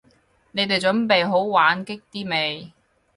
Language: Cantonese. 你哋準備好玩激啲未？